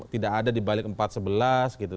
tidak ada dibalik empat sebelas gitu